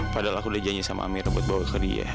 padahal aku udah janji sama amir buat bawa ke dia